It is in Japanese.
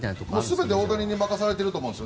全て大谷に任されていると思うんです。